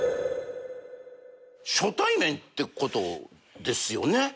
初対面ってことですよね。